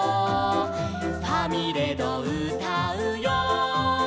「ファミレドうたうよ」